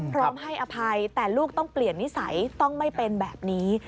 พร้อมให้อภัยแต่ลูกต้องเปลี่ยนนิสัยต้องไม่เป็นแบบนี้